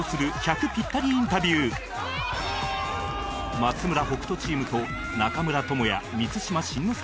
松村北斗チームと中村倫也・満島真之介